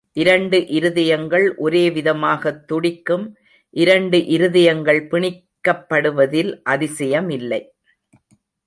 இரண்டு இருதயங்கள் ஒரே விதமாகத் துடிக்கும் இரண்டு இருதயங்கள் பிணிக்கப்படுவதில் அதிசயமில்லை.